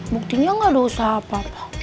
buktinya gak ada usaha apa apa